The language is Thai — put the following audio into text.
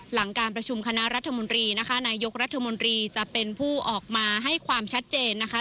หลังการประชุมคณะรัฐมนตรีนะคะนายกรัฐมนตรีจะเป็นผู้ออกมาให้ความชัดเจนนะคะ